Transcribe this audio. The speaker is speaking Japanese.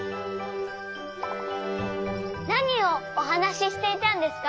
なにをおはなししていたんですか？